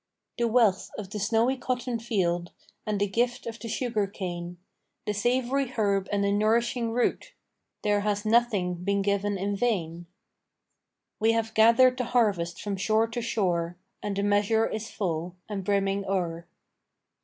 "The wealth of the snowy cotton field And the gift of the sugar cane, The savoury herb and the nourishing root There has nothing been given in vain." "We have gathered the harvest from shore to shore, And the measure is full and brimming o'er."